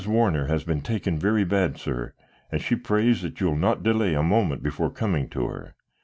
Warner has been taken very bad, sir, and she prays that you will not delay a moment before coming to her.